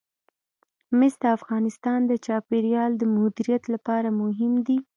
مس د افغانستان د چاپیریال د مدیریت لپاره مهم دي.